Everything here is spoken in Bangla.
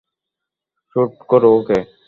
শ্যুট করো ওকে।